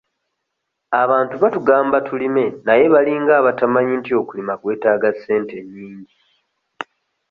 Abantu batugamba tulime naye balinga abatamanyi nti okulima kwetaaga ssente nnyingi.